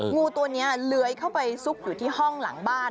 งูตัวนี้เลื้อยเข้าไปซุกอยู่ที่ห้องหลังบ้าน